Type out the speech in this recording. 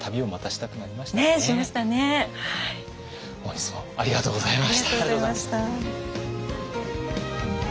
本日もありがとうございました。